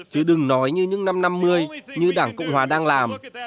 chứ đừng nói như những năm năm mươi như đảng cộng hòa đang làm